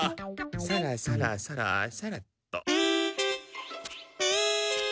さらさらさらさらっと。